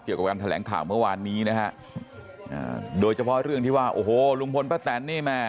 เกี่ยวกับการแถลงข่าวเมื่อวานนี้นะฮะอ่าโดยเฉพาะเรื่องที่ว่าโอ้โหลุงพลป้าแตนนี่แม่